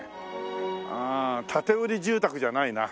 うん建売住宅じゃないな。